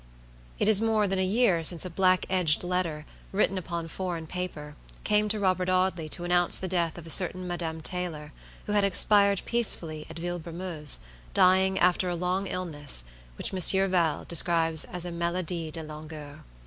It is more than a year since a black edged letter, written upon foreign paper, came to Robert Audley, to announce the death of a certain Madame Taylor, who had expired peacefully at Villebrumeuse, dying after a long illness, which Monsieur Val describes as a maladie de langueur.